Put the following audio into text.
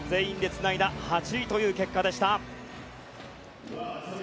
日本は全員でつないだ８位という結果でした。